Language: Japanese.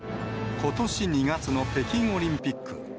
ことし２月の北京オリンピック。